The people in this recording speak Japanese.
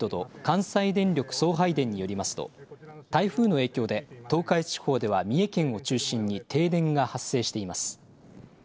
中部電力パワーグリッドと関西電力送配電によりますと台風の影響で東海地方では三重県を中心に停電が発生しています。